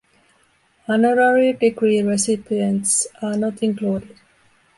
Honorary degree recipients are not included.